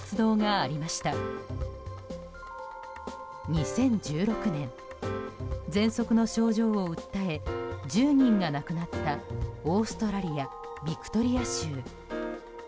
２０１６年ぜんそくの症状を訴え１０人が亡くなったオーストラリア・ビクトリア州。